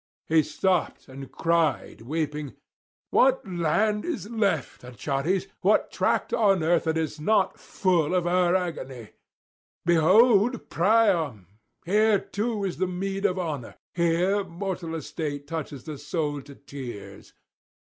He stopped and cried weeping, 'What land is left, Achates, what tract on earth that is not full of our agony? Behold Priam! Here too is the meed of honour, here mortal estate touches the soul to tears.